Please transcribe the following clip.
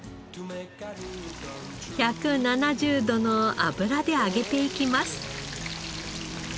１７０度の油で揚げていきます。